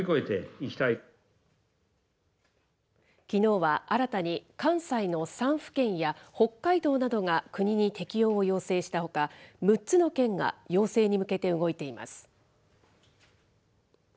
きのうは新たに関西の３府県や北海道などが国に適用を要請したほか、６つの県が要請に向けて動いています。